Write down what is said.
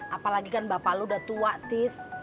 apalagi kan bapak lu udah tua tis